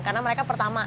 karena mereka pertama